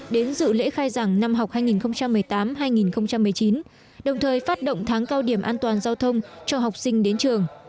đến dự lễ khai giảng năm học hai nghìn một mươi tám hai nghìn một mươi chín đồng thời phát động tháng cao điểm an toàn giao thông cho học sinh đến trường